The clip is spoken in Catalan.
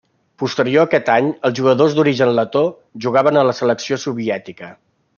Posterior a aquest any, els jugadors d'origen letó jugaven a la selecció soviètica.